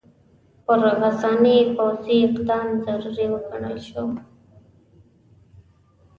پر غساني پوځي اقدام ضروري وګڼل شو.